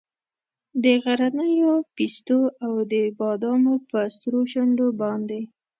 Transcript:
د غرنیو پیستو او د بادامو په سرو شونډو باندې